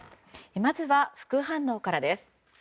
まず、副反応からです。